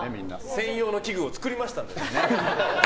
専用の器具を作りましたので。